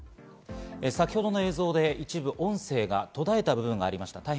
先ほどの映像で一部音声が途絶えた部分がありました。